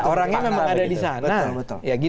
orangnya memang ada di sana